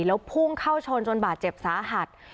แล้วพุ่งเข้าชนจนบาดเจ็บสาหัส